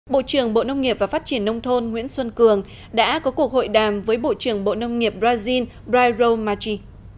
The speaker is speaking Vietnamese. bộ trưởng bộ nông nghiệp và phát triển nông thôn nguyễn xuân cường đã có cuộc hội đàm với bộ trưởng bộ nông nghiệp brazil brairo machi